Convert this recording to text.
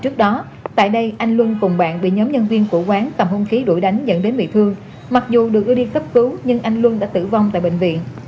trước đó tại đây anh lương cùng bạn bị nhóm nhân viên của quán cầm hung khí đuổi đánh dẫn đến bị thương mặc dù được ưu điên cấp cứu nhưng anh lương đã tử vong tại bệnh viện